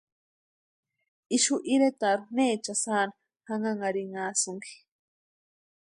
¿Ixu iretarhu neecha sáni janhanharhinhasïnki?